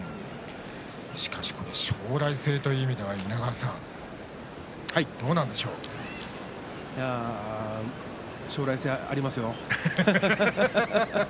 しかし、将来性という意味では将来性、ありますよ。